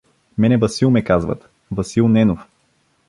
— Мене Васил ме казват, Васил Ненов.